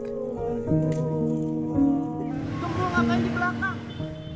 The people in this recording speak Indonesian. tunggu aku akan di belakang